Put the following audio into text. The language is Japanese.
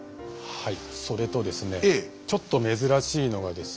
はい。